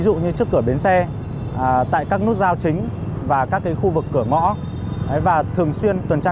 ví dụ như trước cửa bến xe tại các nút giao chính và các khu vực cửa ngõ và thường xuyên tuần tra